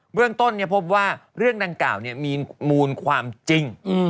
เรื่องต้นพบว่าเรื่องดังกล่าวมีมูลความจริง